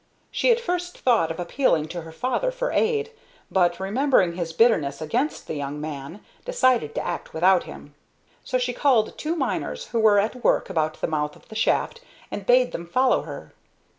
She at first thought of appealing to her father for aid, but, remembering his bitterness against the young man, decided to act without him. So she called two miners who were at work about the mouth of the shaft and bade them follow her.